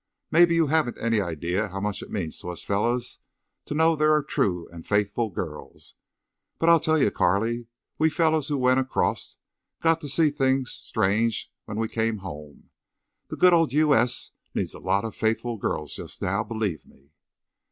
Maybe you haven't any idea how much it means to us fellows to know there are true and faithful girls. But I'll tell you, Carley, we fellows who went across got to see things strange when we came home. The good old U. S. needs a lot of faithful girls just now, believe me."